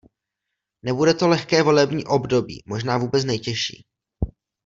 Nebude to lehké volební období - možná vůbec nejtěžší.